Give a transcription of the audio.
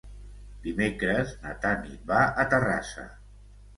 Dimecres na Tanit va a Terrassa.